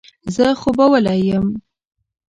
زه خوبولی یم.